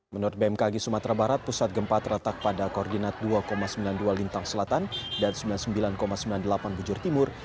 menurut bmkg sumatera barat pusat gempa terletak pada koordinat dua sembilan puluh dua lintang selatan dan sembilan puluh sembilan sembilan puluh delapan bujur timur